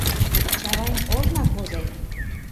Чавайн ожнак возен.